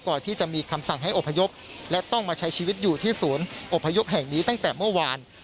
ก่อนที่จะมีคำสั่งให้อพยพและต้องมาใช้ชีวิตอยู่ที่ศูนย์อบพยพแห่งนี้ตั้งแต่เมื่อวาน